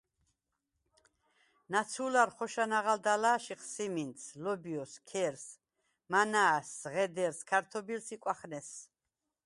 ნაცუ̄ლარ ხოშა ნაღალდ ალა̄შიხ: სიმინდს, ლობჲოს, ქერს, მანა̄შს, ღედერს, ქართობილს ი კვახნესვს.